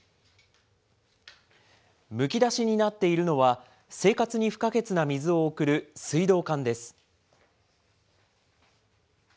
むき出しになっているのは、生活に不可欠な水を送る水道管です。